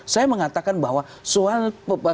saya mengatakan bahwa soal